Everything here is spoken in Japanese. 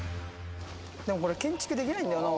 でも建築できないんだよな俺。